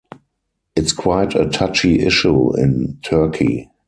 It's quite a touchy issue in Turkey.